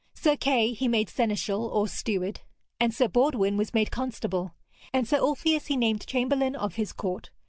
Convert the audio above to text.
Sir Kay he made seneschal or steward, and Sir Baudwin was made constable, and Sir Ulfius he named chamberlain of his court.